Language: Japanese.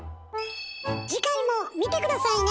次回も見て下さいね！